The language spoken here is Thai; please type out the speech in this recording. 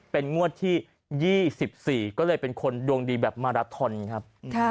เป็นงวดที่๒๔ก็เลยเป็นคนดวงดีแบบมาราทอนครับ